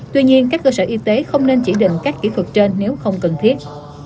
tuy nhiên các cơ sở y tế không nên chỉ định các kỹ thuật trên nếu không cần thiết